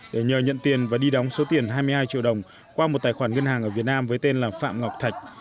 để nhờ nhận tiền và đi đóng số tiền hai mươi hai triệu đồng qua một tài khoản ngân hàng ở việt nam với tên là phạm ngọc thạch